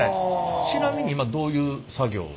ちなみに今どういう作業を？